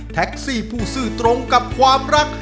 แท็กซี่ผู้ซื่อตรงกับความรัก